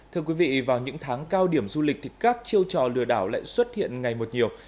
thưa quý vị vào những tháng cao điểm du lịch thì các chiêu trò lừa đảo lại xuất hiện ngày một nhiều